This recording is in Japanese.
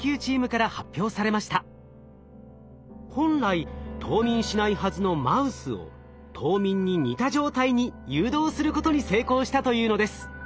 本来冬眠しないはずのマウスを冬眠に似た状態に誘導することに成功したというのです。